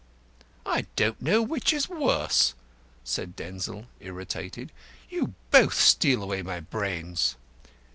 "I don't know which is worse," said Denzil, irritated. "You both steal away my brains."